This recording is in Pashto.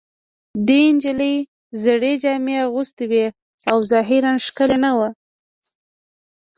دې نجلۍ زړې جامې اغوستې وې او ظاهراً ښکلې نه وه